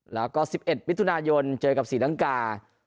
แล้วก็๑๑มิถุนายนเจอกับศรีลังกา